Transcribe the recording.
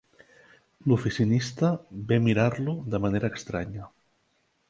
L'oficinista ve mirar-lo de manera estranya.